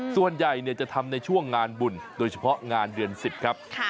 ส่วนใหญ่จะทำในช่วงงานบุญโดยเฉพาะงานเดือน๑๐ครับ